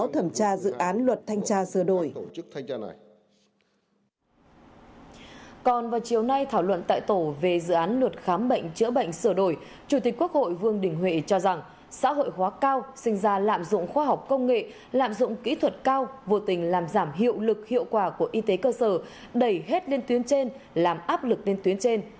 trong dự án luật khám bệnh chữa bệnh sửa đổi chủ tịch quốc hội vương đình huệ cho rằng xã hội hóa cao sinh ra lạm dụng khoa học công nghệ lạm dụng kỹ thuật cao vô tình làm giảm hiệu lực hiệu quả của y tế cơ sở đẩy hết lên tuyến trên làm áp lực lên tuyến trên